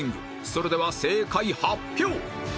それでは正解発表！